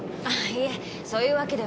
そういうわけでは。